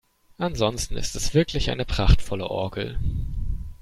Ansonsten ist es wirklich eine prachtvolle Orgel.